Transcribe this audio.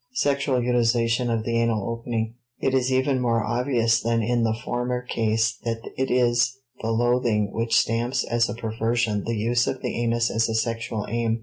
*Sexual Utilization of the Anal Opening.* It is even more obvious than in the former case that it is the loathing which stamps as a perversion the use of the anus as a sexual aim.